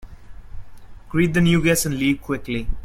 Greet the new guests and leave quickly.